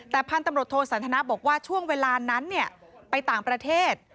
ตำรวจโทรสันทนาบอกว่าช่วงเวลานั้นเนี่ยไปต่างประเทศ